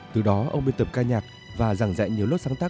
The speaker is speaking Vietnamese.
từ đó ông biên tập ca nhạc và giảng dạy nhiều lớp sáng tác